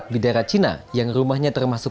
bidara cina yang rumahnya termasuk